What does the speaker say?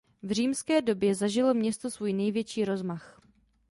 V římské době zažilo město svůj největší rozmach.